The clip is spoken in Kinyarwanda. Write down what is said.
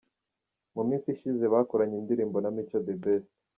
Mu minsi ishize bakoranye indirimbo na Mico The Best.